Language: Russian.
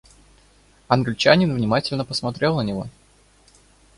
Англичанин внимательно посмотрел на него.